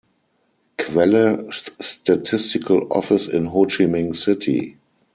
Quelle: Statistical Office in Ho Chi Minh City